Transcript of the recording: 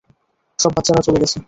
সব বাচ্চারা চলে গেছে।